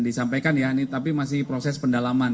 disampaikan ya ini tapi masih proses pendalaman